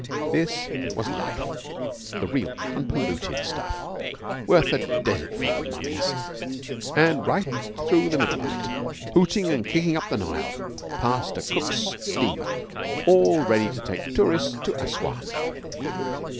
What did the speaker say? This was life, the real, unpolluted stuff worth a desert full of mummies. And right through the middle of it hooting and kicking up the Nile passed a Cook's steamer all ready to take tourists to Assuan.